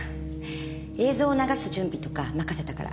映像を流す準備とか任せたから。